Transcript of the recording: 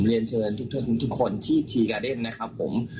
เรียนเชิญทุกคนที่ชีกาเดนนะครับผม